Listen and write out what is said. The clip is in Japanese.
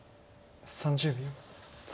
３０秒。